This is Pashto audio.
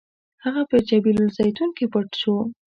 هغه په جبل الزیتون کې پټ شو.